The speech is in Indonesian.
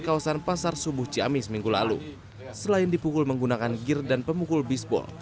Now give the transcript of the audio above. kawasan pasar subuh ciamis minggu lalu selain dipukul menggunakan gear dan pemukul bisbol